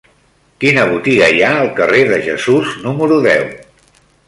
Quina botiga hi ha al carrer de Jesús número deu?